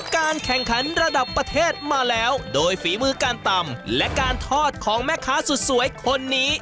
การแข่งขันระดับประเทศมาแล้วโดยฝีมือการตำและการทอดของแม่ค้าสุดสวยคนนี้